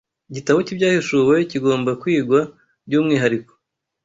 Igitabo cy’Ibyahishuwe kigomba kwigwa by’umwihariko